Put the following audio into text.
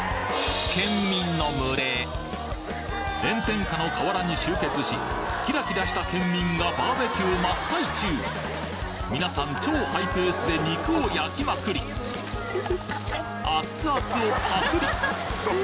県民の群れ炎天下の河原に集結しキラキラした県民がバーベキュー真っ最中皆さん超ハイペースで肉を焼きまくりアッツアツをパクリ！